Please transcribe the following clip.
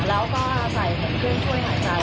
แล้วก็ใส่ผ่านเพื่อนช่วยหาใจ